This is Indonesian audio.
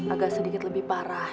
agak sedikit lebih parah